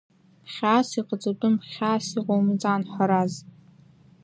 Хьаас иҟаҵатәым хьаас иҟоумҵан, Ҳараз.